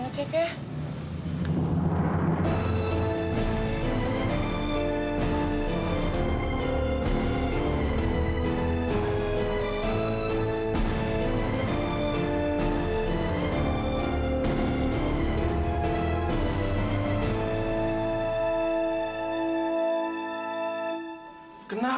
bagaimana mungkin sih